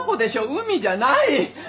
海じゃない。